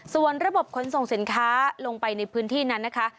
ส่วนระบบขนส่งสินค้าลงไปในพื้นที่นั้นนะคะ